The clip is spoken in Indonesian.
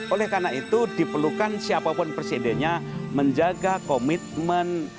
oleh karena itu diperlukan siapapun presidennya menjaga komitmen